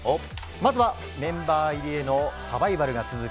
まずはメンバー入りへのサバイバルが続く